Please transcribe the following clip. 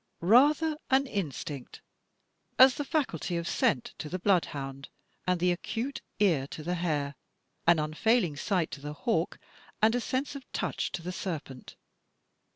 Rather an instinct, as the faculty of scent to the blood hotmd and the acute ear to the hare, an unfailing sight to the hawk and a sense of touch to the serpent.